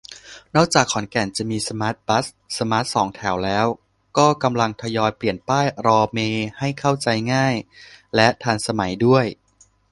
นอกจากขอนแก่นจะมีสมาร์ทบัส สมาร์ทสองแถวแล้ว ก็กำลังทยอยเปลี่ยนป้ายรอเมล์ให้เข้าใจง่าย และทันสมัยด้วย